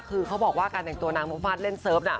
คือเขาบอกว่าการแต่งตัวนางมุฟฟาดเล่นเซิร์ฟน่ะ